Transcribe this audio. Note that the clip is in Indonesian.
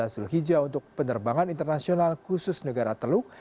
empat belas julhijjah untuk penerbangan internasional khusus negara teluk